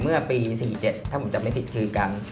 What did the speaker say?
เมื่อปี๔๗ถ้าผมจำไม่ผิดคือการ